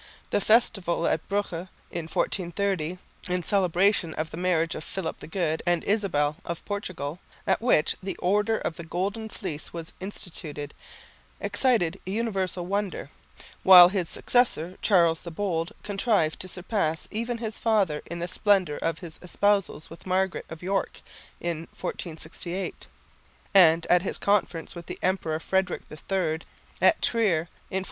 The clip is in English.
The festival at Bruges in 1430 in celebration of the marriage of Philip the Good and Isabel of Portugal, at which the Order of the Golden Fleece was instituted, excited universal wonder; while his successor, Charles the Bold, contrived to surpass even his father in the splendour of his espousals with Margaret of York in 1468, and at his conference with the Emperor Frederick III at Trier in 1473.